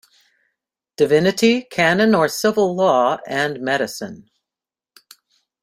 Divinity, Canon or Civil Law, and Medicine.